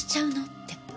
って。